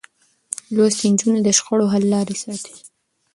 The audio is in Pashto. لوستې نجونې د شخړو حل لارې ساتي.